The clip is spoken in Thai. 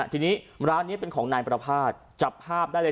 ทีนี้ร้านนี้เป็นของนายประภาษณ์จับภาพได้เลย